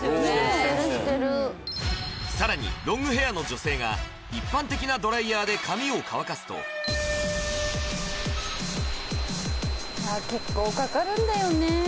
してるしてるさらにロングヘアの女性が一般的なドライヤーで髪を乾かすと結構かかるんだよね